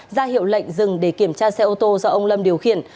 ra hiệu lệnh dừng để kiểm tra xe ô tô do ông lâm điều khiển